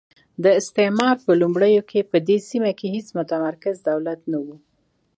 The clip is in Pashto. د استعمار په لومړیو کې په دې سیمه کې هېڅ متمرکز دولت نه وو.